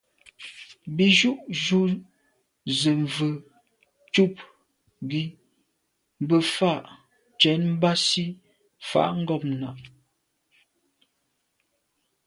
Bí jú’ jú zə̄ mvə̌ cúp gí mbə́ fǎ cwɛ̀d mbásì fàá’ ngômnâ’.